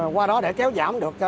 qua đó để kéo giảm được